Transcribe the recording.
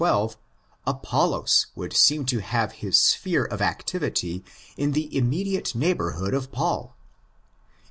12, Apollos would seem to have his sphere of activity in the immediate neighbourhood of Paul; in iii.